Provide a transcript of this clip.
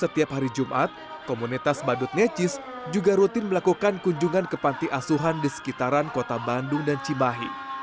setiap hari jumat komunitas badut necis juga rutin melakukan kunjungan ke panti asuhan di sekitaran kota bandung dan cimahi